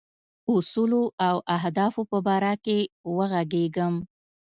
اصولو او اهدافو په باره کې وږغېږم.